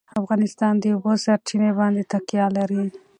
افغانستان په د اوبو سرچینې باندې تکیه لري.